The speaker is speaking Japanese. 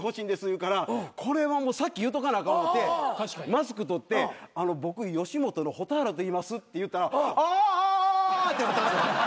言うからこれは先言うとかなあかん思うてマスク取って「僕吉本の蛍原といいます」って言ったら「あ！」って言われたんですよ。